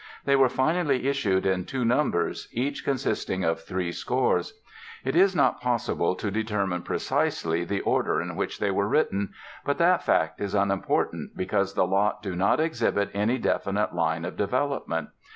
They were finally issued in two numbers, each consisting of three scores. It is not possible to determine precisely the order in which they were written, but that fact is unimportant because the lot do not exhibit any definite line of development.